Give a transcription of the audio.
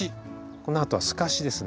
このあとはすかしですね。